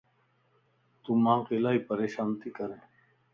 تو مانک الائي پريشان تي ڪرين